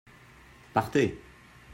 Partez !